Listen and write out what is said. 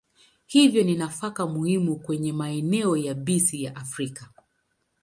Hivyo ni nafaka muhimu kwenye maeneo yabisi ya Afrika.